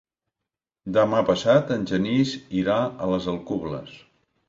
Demà passat en Genís irà a les Alcubles.